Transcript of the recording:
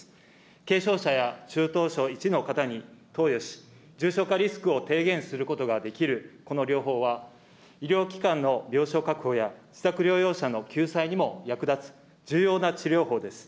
軽症者や中等症１の方に投与し、重症化リスクを低減することができるこの療法は、医療機関の病床確保や自宅療養者の救済にも役立つ重要な治療法です。